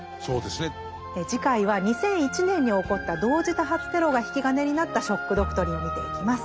次回は２００１年に起こった同時多発テロが引き金になった「ショック・ドクトリン」見ていきます。